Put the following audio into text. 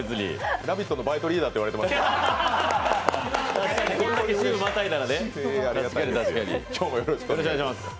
「ラヴィット！」のバイトリーダーって言われてますから。